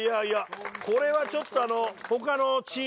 これはちょっと。